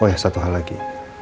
oh ya satu hal lagi